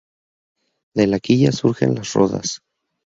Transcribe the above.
De la quilla surgen las rodas.